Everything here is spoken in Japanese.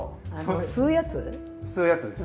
吸うやつです。